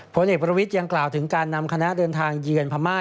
ผลเอกประวิทย์ยังกล่าวถึงการนำคณะเดินทางเยือนพม่า